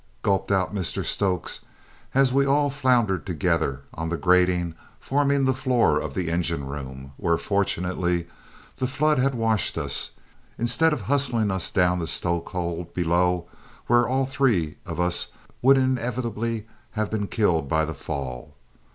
gulped out Mr Stokes as we all floundered together on the grating forming the floor of the engine room, where fortunately the flood had washed us, instead of hustling us down the stoke hold below, where all three of us would most inevitably have been killed by the fall.